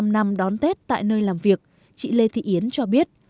bảy mươi năm năm đón tết tại nơi làm việc chị lê thị yến cho biết